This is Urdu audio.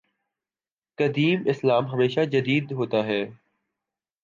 قدیم اسلام ہمیشہ جدید ہوتا ہے۔